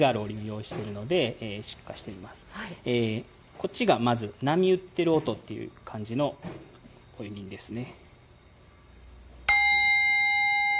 こっちがまず波打ってる音っていう感じのおりんですね。